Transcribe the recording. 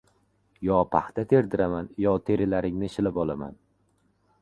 Yo paxta terdiraman, yo terilaringni shilib olaman!